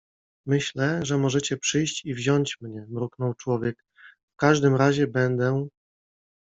- Myślę, że możecie przyjść i wziąć mnie - mruknął człowiek. - W każdym razie będę